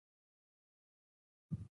د وزن پورته کول ډېر زور غواړي.